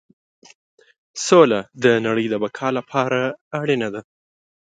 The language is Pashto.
سوله د نړۍ د بقا لپاره اړینه ده.